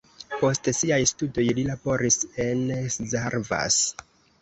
Post siaj studoj li laboris en Szarvas.